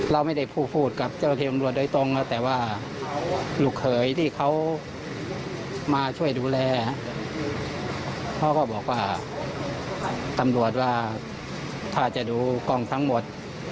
เราไม่ได้พูดกับเจ้าที่ตำรวจโดยตรงนะแต่ว่าลูกเขยที่เขามาช่วยดูแลเขาก็บอกว่าตำรวจว่าถ้าจะดูกล้องทั้งหมด